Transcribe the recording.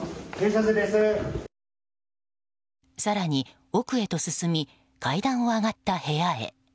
更に、奥へと進み階段を上がった部屋へ。